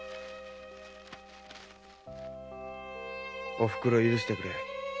「おふくろ許してくれ。